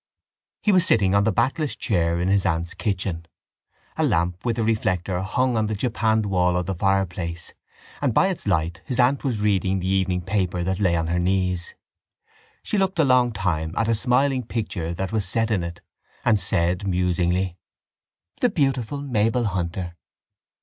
He was sitting on the backless chair in his aunt's kitchen. A lamp with a reflector hung on the japanned wall of the fireplace and by its light his aunt was reading the evening paper that lay on her knees. She looked a long time at a smiling picture that was set in it and said musingly: —The beautiful Mabel Hunter!